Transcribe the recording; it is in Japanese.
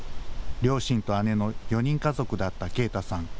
両親と姉の４人家族だった圭太さん。